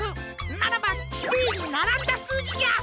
ならばキレイにならんだすうじじゃ！